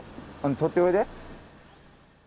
取っておいで。